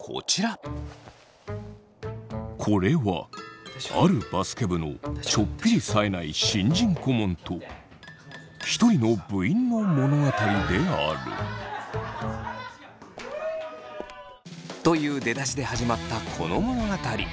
これはあるバスケ部のちょっぴりさえない新人顧問と一人の部員の物語であるという出だしで始まったこの物語。